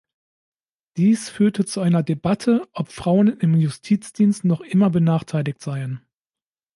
Dies führte zu einer Debatte, ob Frauen im Justizdienst noch immer benachteiligt seien.